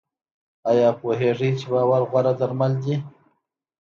ایا پوهیږئ چې باور غوره درمل دی؟